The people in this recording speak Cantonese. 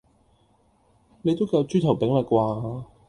你都夠豬頭柄啦啩?